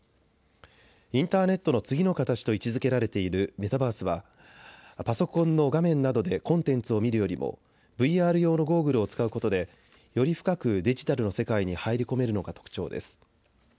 インターネットの次の形と位置づけられているメタバースはパソコンの画面などでコンテンツを見るよりもＶＲ用のゴーグルを使うことで、より深くデジタルの世界に入り込めるのが特徴です。